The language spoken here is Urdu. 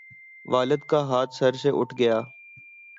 والد کا ہاتھ سر سے اٹھ گیا